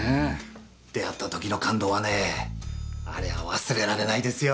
出会った時の感動はねありゃ忘れられないですよ。